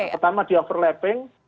pertama di overlapping